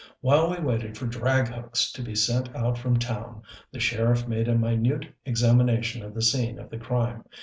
While we waited for drag hooks to be sent out from town the sheriff made a minute examination of the scene of the crime.